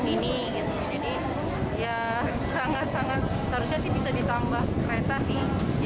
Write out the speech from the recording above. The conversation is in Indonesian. jadi ya sangat sangat seharusnya sih bisa ditambah kereta sih